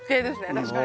確かに。